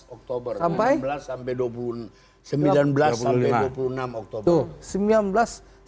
dua belas oktober sampai sembilan belas sampai dua puluh enam oktober